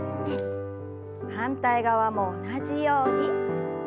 反対側も同じように。